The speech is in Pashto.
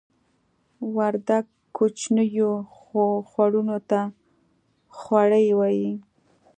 وردګ کوچنیو خوړونو ته خوړۍ وایې